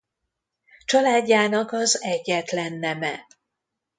Családjának az egyetlen neme.